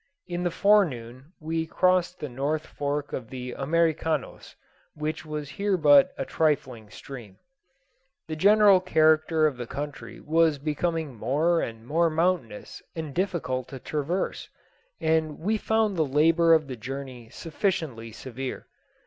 In the forenoon we crossed the north fork of the Americanos, which was here but a trifling stream. The general character of the country was becoming more and more mountainous and difficult to traverse, and we found the labour of the journey sufficiently severe.